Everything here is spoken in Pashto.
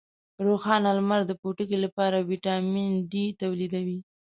روښانه لمر د پوټکي لپاره ویټامین ډي تولیدوي.